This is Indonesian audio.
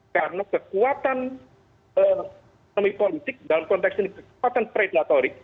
karena kekuatan ekonomi politik dalam konteks ini kekuatan predatorik